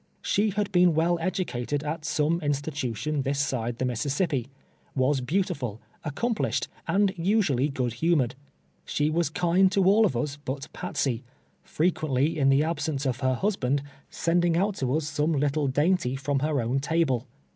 She had been avoII educated at some institution this side the Mississippi ; was beauti ful, accomplished, and usually good humored. She was kind to all of us but Patsey — frequently, in the absence of her husbaud, sending out to us some little patsey's sorrows. 199 daintj from lior own table.